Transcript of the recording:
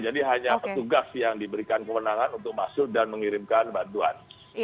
jadi hanya petugas yang diberikan kemenangan untuk masuk dan mengirimkan bantuan